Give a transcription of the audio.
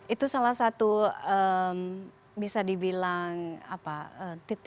itu salah satu bisa dibilang titik yang saya inginkan